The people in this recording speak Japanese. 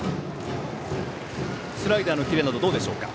スライダーのキレなどどうでしょうか。